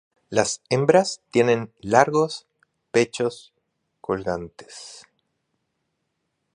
Las hembras tienen "largos, pechos colgantes.